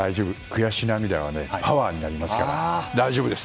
悔し涙はパワーになりますから大丈夫です！